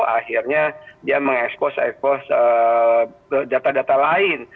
akhirnya dia mengekspos ekpos data data lain